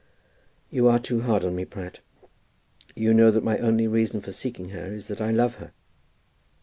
"You are too hard on me, Pratt. You know that my only reason for seeking her is that I love her."